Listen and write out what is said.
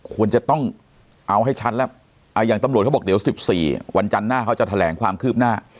ควรจะต้องเอาให้ชัดแล้วอย่างตำรวจเขาบอกเดี๋ยว๑๔วันจันทร์หน้าเขาจะแถลงความคืบหน้า